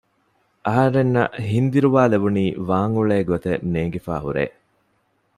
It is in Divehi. އަހަރެންނަށް ހިންދިރުވާލެވުނީ ވާންއުޅޭ ގޮތެއް ނޭނގިފައި ހުރޭ